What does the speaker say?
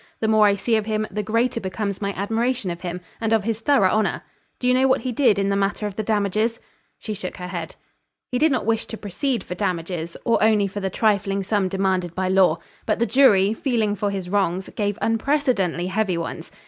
The more I see of him, the greater becomes my admiration of him, and of his thorough honor. Do you know what he did in the matter of the damages?" She shook her head. "He did not wish to proceed for damages, or only for the trifling sum demanded by law; but the jury, feeling for his wrongs, gave unprecedently heavy ones.